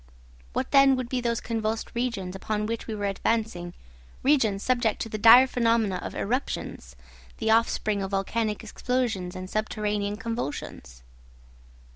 What then would be those convulsed regions upon which we were advancing, regions subject to the dire phenomena of eruptions, the offspring of volcanic explosions and subterranean convulsions?